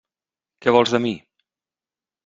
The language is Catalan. Què vols de mi?